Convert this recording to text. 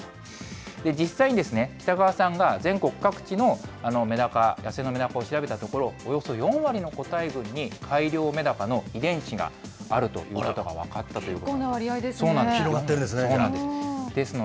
実際に北川さんが全国各地のメダカ、野生のメダカを調べたところ、およそ４割の個体群に改良メダカの遺伝子があるということが分か結構な割合ですね。